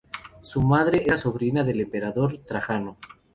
Su madre era sobrina del emperador Trajano.